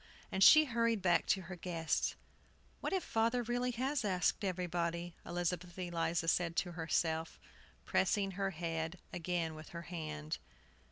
And she hurried back to her guests. "What if father really has asked everybody?" Elizabeth Eliza said to herself, pressing her head again with her hand.